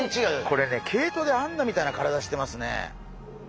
これね毛糸で編んだみたいな体してますね。